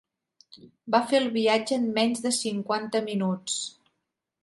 Va fer el viatge en menys de cinquanta minuts.